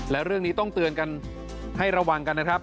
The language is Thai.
และเรื่องนี้ต้องเตือนกันให้ระวังกันนะครับ